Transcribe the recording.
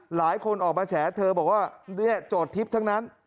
หลายคนออกมาแฉเธอบอกว่าเนี่ยโจทย์ทิพย์ทั้งนั้น